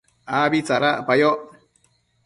abi tsadacpayoc